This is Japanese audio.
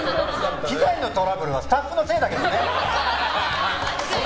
機材のトラブルはスタッフのせいだけどね。